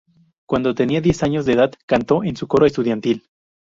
Cuando tenía diez años de edad, cantó en su coro estudiantil.